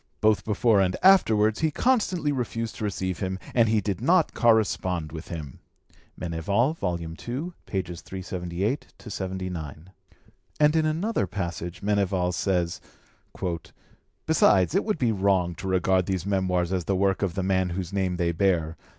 Both before and afterwards he constantly refused to receive him, and he did not correspond with him "(Meneval, ii. 378 79). And in another passage Meneval says: "Besides, it would be wrong to regard these Memoirs as the work of the man whose name they bear.